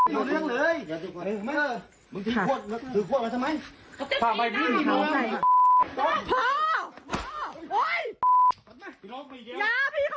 นายเดินเมิก